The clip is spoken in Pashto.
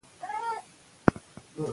او دقومونو تش په نامه شته والى مني